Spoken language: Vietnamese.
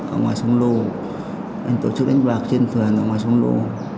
ở ngoài sông lô anh tổ chức đánh bạc trên phường ở ngoài sông lô